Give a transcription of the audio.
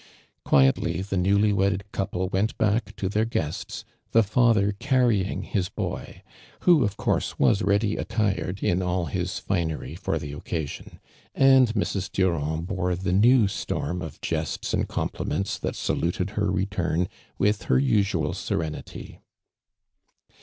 | Quietly tlie newly wedded couple went | back to their guests, the father carrying j his boy, who, of couise, was ready attired | in all his Hnery for the occasion ; and Mrs, | Durand bore the now storm of jests and compliujents that sidutcd her return with her usual serenity.